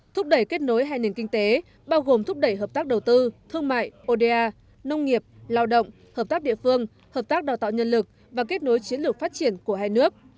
thúc đẩy kết nối hai nền kinh tế bao gồm thúc đẩy hợp tác đầu tư thương mại oda nông nghiệp lao động hợp tác địa phương hợp tác đào tạo nhân lực và kết nối chiến lược phát triển của hai nước